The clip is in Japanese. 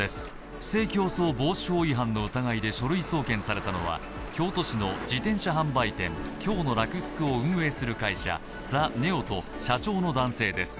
不正競争防止法違反の疑いで書類送検されたのは、京都市の自転車販売店・京の洛スクを運営する会社ＴＨＥＮｅＯと社長の男性です。